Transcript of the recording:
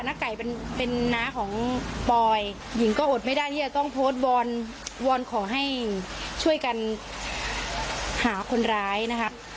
ไก่เป็นน้าของปอยหญิงก็อดไม่ได้ที่จะต้องโพสต์วอนวอนขอให้ช่วยกันหาคนร้ายนะครับ